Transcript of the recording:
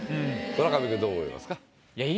村上君どう思いますか？